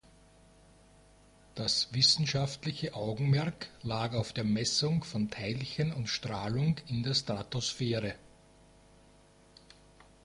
Das wissenschaftliche Augenmerk lag auf der Messung von Teilchen und Strahlung in der Stratosphäre.